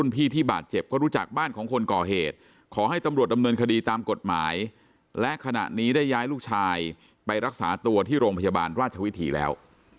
ไปรักษาตัวที่โรงพยาบาลราชวิถีแล้ว